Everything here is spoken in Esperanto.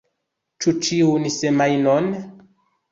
Ĉu ĉiun semajnon?